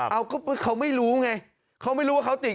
เอาก็เขาไม่รู้ไงเขาไม่รู้ว่าเขาติด